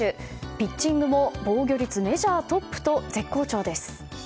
ピッチングも防御率メジャートップと絶好調です。